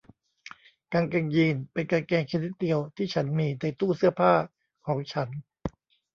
กางเกงยีนส์เป็นกางเกงชนิดเดียวที่ฉันมีในตู้เสื้อผ้าของฉัน